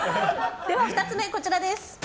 ２つ目、こちらです。